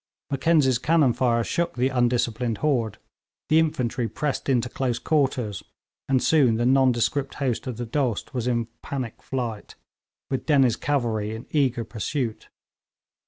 Mackenzie's cannon fire shook the undisciplined horde, the infantry pressed in to close quarters, and soon the nondescript host of the Dost was in panic flight, with Dennie's cavalry in eager pursuit.